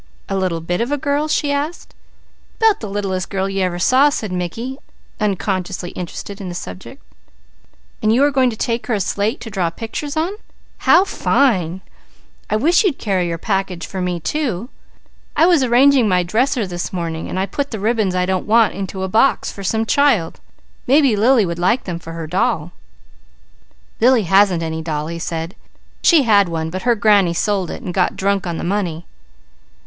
"A little bit of a girl?" she asked. "'Bout the littlest girl you ever saw," said Mickey, unconsciously interested in the subject. "And you are going to take her a slate to draw pictures on? How fine! I wish you'd carry her a package for me, too. I was arranging my dresser this morning and I put the ribbons I don't want into a box for some child. Maybe Lily would like them for her doll." "Lily hasn't any doll," he said. "She had one, but her granny sold it and got drunk on the money."